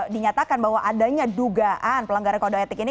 dinyatakan bahwa adanya dugaan pelanggaran kode etik ini